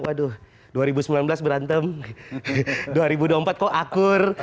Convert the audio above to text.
waduh dua ribu sembilan belas berantem dua ribu dua puluh empat kok akur